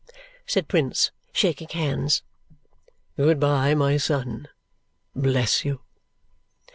said Prince, shaking hands. "Good bye, my son. Bless you!"